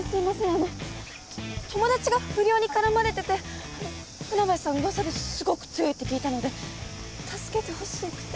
あのと友達が不良に絡まれててあの船橋さんうわさですごく強いって聞いたので助けてほしくて。